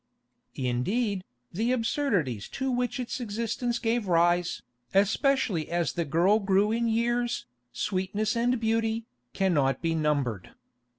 Indeed, the absurdities to which its existence gave rise, especially as the girl grew in years, sweetness and beauty, cannot be numbered.